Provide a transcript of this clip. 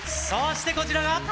そしてこちらが。